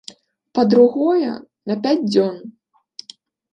Па-другое, на пяць дзён.